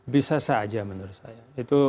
bisa saja menurut saya